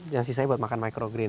yang sisanya buat makan micro green